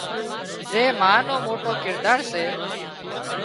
زين ما نو موٽو ڪردار سي